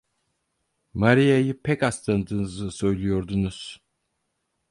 Maria'yı pek az tanıdığınızı söylüyordunuz!